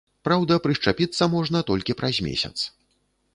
Праўда, прышчапіцца можна толькі праз месяц.